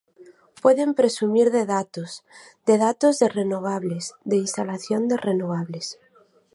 Poden presumir de datos, de datos de renovables, de instalación de renovables.